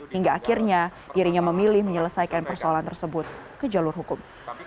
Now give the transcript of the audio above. hingga akhirnya dirinya memilih menyelesaikan persoalan tersebut ke jalur hukum